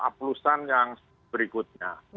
apelusan yang berikutnya